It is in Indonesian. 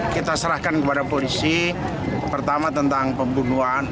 kita serahkan kepada polisi pertama tentang pembunuhan